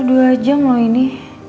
udah dua jam loh ini